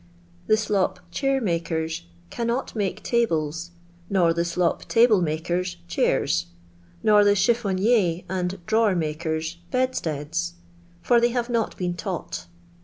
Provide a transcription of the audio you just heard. The slop chair makers cannot make tables, nor the slop table makers, chairs; nor the cheffonier and drawer makers, bedsteads; for they have not been taught.